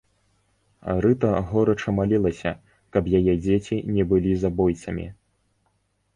Рыта горача малілася, каб яе дзеці не былі забойцамі.